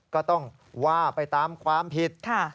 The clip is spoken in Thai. ก็ต้องว่าไปตามความผิด